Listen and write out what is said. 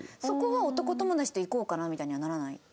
そこは男友達と行こうかなみたいにはならない？